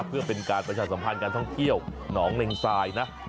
เพื่อเป็นการประชาสัมพันธ์การท่องเที่ยวหนองเล็งทรายนะ